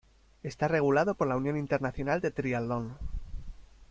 Está regulado por la Unión Internacional de Triatlón.